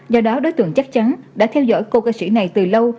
do đó đối tượng chắc chắn đã theo dõi cô ca sĩ này từ lâu